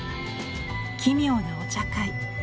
奇妙なお茶会。